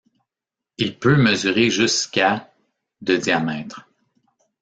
Il peut mesurer jusqu'à de diamètre.